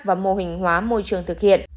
và mô hình hóa môi trường thực hiện